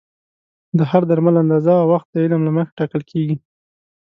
د هر درمل اندازه او وخت د علم له مخې ټاکل کېږي.